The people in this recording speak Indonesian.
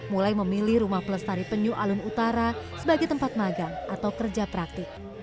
mulai memilih rumah pelestari penyu alun utara sebagai tempat magang atau kerja praktik